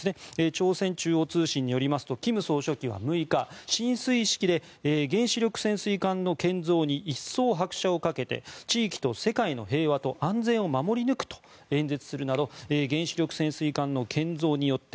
朝鮮中央通信によりますと金総書記は６日、進水式で原子力潜水艦の建造に一層拍車をかけて地域と世界の平和と安全を守り抜くと演説するなど原子力潜水艦の建造によって